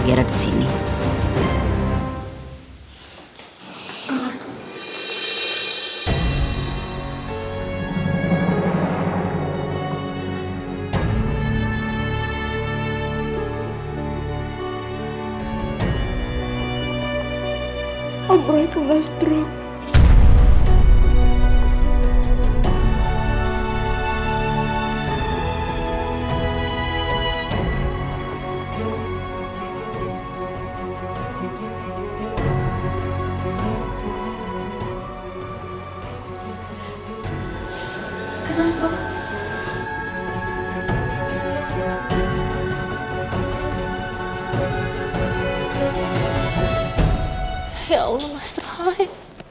ya allah mas rai